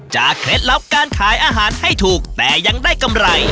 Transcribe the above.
เคล็ดลับการขายอาหารให้ถูกแต่ยังได้กำไร